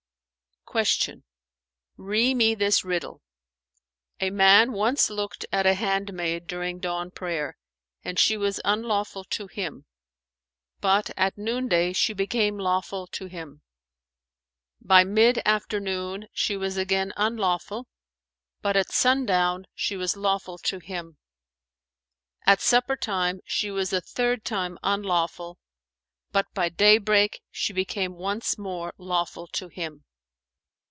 Q "Ree me this riddle:—A man once looked at a handmaid during dawn prayer, and she was unlawful to him; but, at noonday she became lawful to him: by mid afternoon,, she was again unlawful, but at sundown, she was lawful to him: at supper time she was a third time unlawful, but by daybreak, she became once more lawful to him."